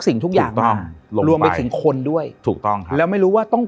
สิ่งทุกอย่างถูกต้องรวมไปถึงคนด้วยถูกต้องครับแล้วไม่รู้ว่าต้อง